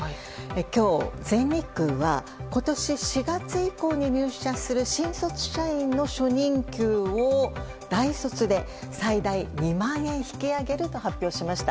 今日、全日空は今年４月以降に入社する新卒社員の初任給を大卒で最大２万円引き上げると発表しました。